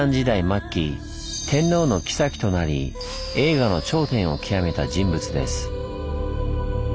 末期天皇の后となり栄華の頂点を極めた人物です。